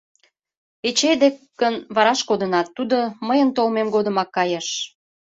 Эчей дек гын, вараш кодынат: тудо мыйын толмем годымак кайыш...